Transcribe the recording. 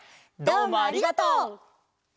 どうもありがとう！